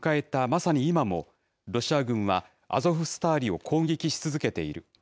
まさに今も、ロシア軍はアゾフスターリを攻撃し続けている。